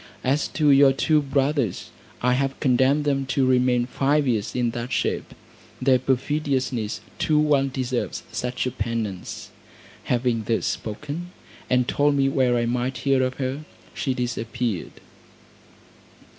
As to your two brothers, I have condemned them to remain five years in that shape. Their perfidiousness too well deserves such a penance." Having thus spoken and told me where I might hear of her, she disappeared.